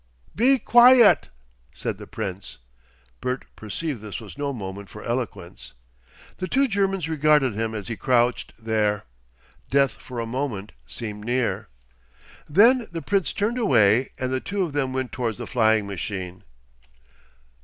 "Be quaiat," said the Prince. Bert perceived this was no moment for eloquence. The two Germans regarded him as he crouched there. Death for a moment seemed near. Then the Prince turned away and the two of them went towards the flying machine.